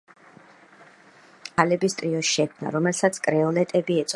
ამ პერიოდს უკავშირდება ქალების ტრიოს შექმნა, რომელსაც კრეოლეტები ეწოდა.